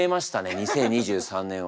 ２０２３年は。